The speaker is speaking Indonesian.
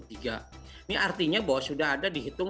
ini artinya bahwa sudah ada dihitung